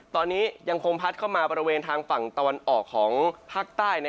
ตอนนี้ยังคงพัดเข้ามาบริเวณทางฝั่งตะวันออกของภาคใต้